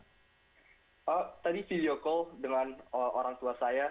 tadi video call dengan orang tua saya